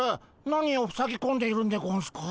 何をふさぎこんでいるんでゴンスか？